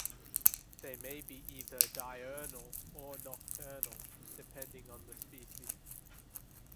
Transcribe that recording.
They may be either diurnal or nocturnal, depending on the species.